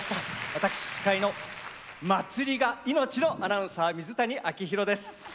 わたくし司会のまつりが命のアナウンサー水谷彰宏です。